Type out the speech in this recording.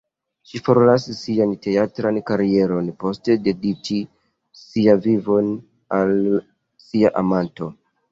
Ŝi forlasis sian teatran karieron post dediĉi sian vivon al sia ama(n)to.